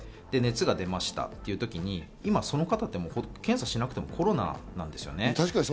で、熱が出ましたっていうときに、今、その方ってほとんど検査しなくても、もうコロナなんですよね。